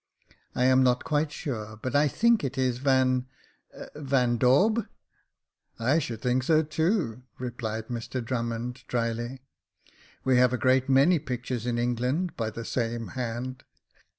" I am not quite sure ; but I think it is Van— Van Daubr " I should think so too," replied Mr Drummond, drily ;we have a great many pictures in England, by the same hand."